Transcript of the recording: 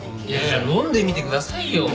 いや飲んでみてくださいよ。